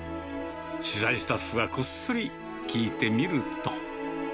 取材スタッフがこっそり聞いてみると。